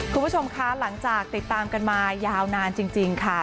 คุณผู้ชมคะหลังจากติดตามกันมายาวนานจริงค่ะ